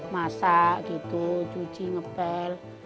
masak gitu cuci ngepel